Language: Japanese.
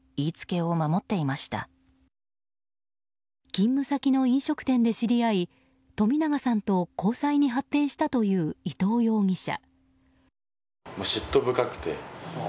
勤務先の飲食店で知り合い冨永さんと交際に発展したという伊藤容疑者。